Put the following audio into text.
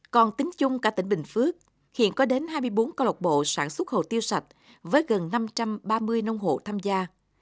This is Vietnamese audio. còn tính chung cả tỉnh bình phước hiện có đến hai mươi bốn câu lạc bộ sản xuất hồ tiêu sạch với gần năm trăm ba mươi nông hộ tham gia